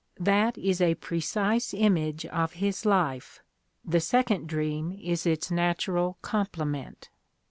That is a precise iipage of his life ; the second dream is its natural complement.